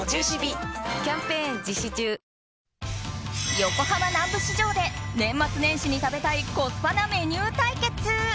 横浜南部市場で年末年始に食べたいコスパなメニュー対決！